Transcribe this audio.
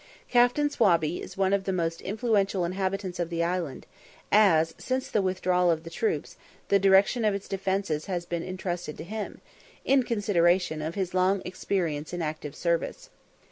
Captain Swabey is one of the most influential inhabitants of the island, as, since the withdrawal of the troops, the direction of its defences has been intrusted to him, in consideration of his long experience in active service.